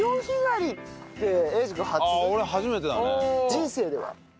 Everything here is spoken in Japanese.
人生では？